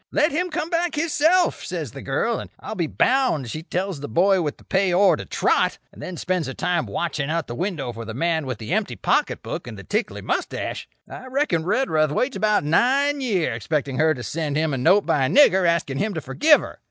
'Let him come back, hisself,' says the girl; and I'll be bound she tells the boy with the pay ore to trot; and then spends her time watching out the window for the man with the empty pocket book and the tickly moustache. "I reckon Redruth waits about nine year expecting her to send him a note by a nigger asking him to forgive her.